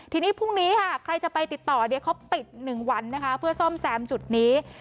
ทีนี้พรุ่งนี้ค่ะใครจะไปติดต่อเขาปิด๑วันนะคะเพื่อซ่อมแซมจุดนี้